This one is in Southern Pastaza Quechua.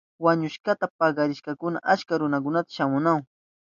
Wañushkata pakarichinankunapa achka runakuna shamunahun.